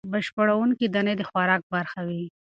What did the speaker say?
بشپړوونکې دانې د خوراک برخه وي.